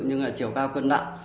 nhưng là chiều cao cân lặng